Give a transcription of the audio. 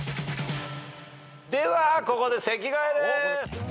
ではここで席替えです！